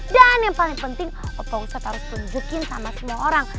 dan yang paling penting opa ustad harus tunjukin sama semua orang